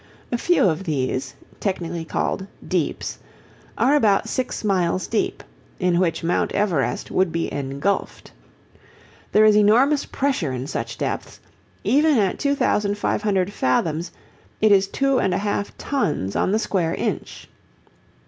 A few of these, technically called "deeps," are about six miles deep, in which Mount Everest would be engulfed. There is enormous pressure in such depths; even at 2,500 fathoms it is two and a half tons on the square inch.